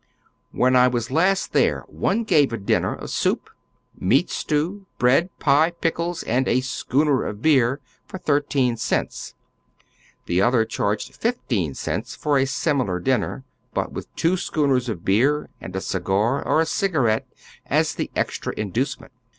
When I was last there one gave a dinner of soup, meat stew, bread, pie, pickles, and a " schooner " of beer for thirteen cents ; the other charged fifteen cents for a similar dinner, but with two schoonei's of beer and a cigar, or a cigarette, as the extra inducement.